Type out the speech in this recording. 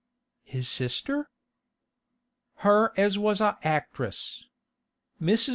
'His sister?' 'Her as was a actress. Mrs.